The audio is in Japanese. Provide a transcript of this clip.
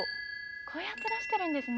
こうやって出してるんですね。